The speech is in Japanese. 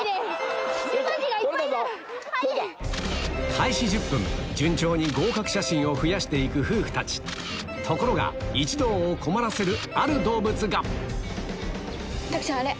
開始１０分順調に合格写真を増やしていく夫婦たちところが一同を困らせるある動物が卓ちゃんあれ。